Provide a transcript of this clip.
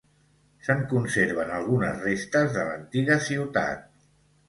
Se'n conserven algunes restes de l'antiga ciutat.